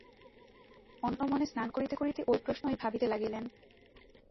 অন্য মনে স্নান করিতে করিতে ঐ প্রশ্নই ভাবিতে লাগিলেন।